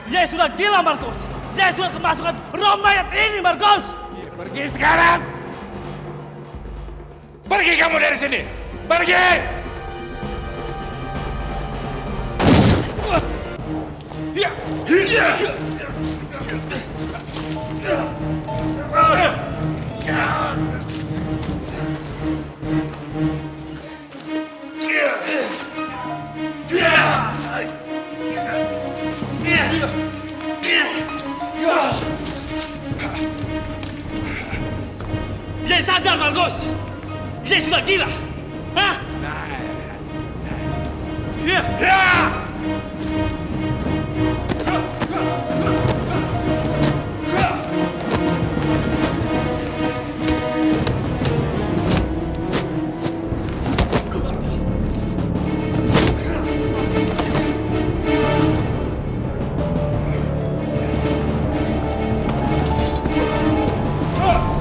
ye sudah gila markus ye sudah kemasukan rumah yang ini markus